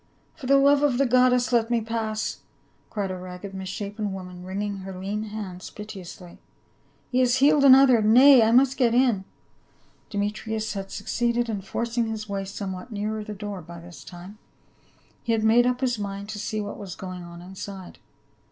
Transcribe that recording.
" For the love of the goddess, let me pass !" cried a ragged misshapen woman, wringing her lean hands piteously ; "he has healed another — Nay, I must get in." Demetrius had succeeded in forcing his way some what nearer the door by this time ; he had made up his mind to see what was going on inside.